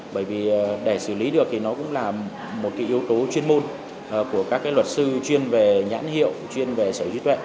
bởi vì để xử lý được thì nó cũng là một yếu tố chuyên môn của các luật sư chuyên về nhãn hiệu chuyên về sở hữu trí tuệ